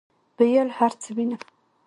ویل هرڅه وینم،